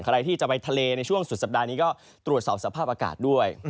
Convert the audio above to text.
ใครที่จะไปทะเลในช่วงสุดสัปดาห์นี้ก็ตรวจสอบสภาพอากาศด้วย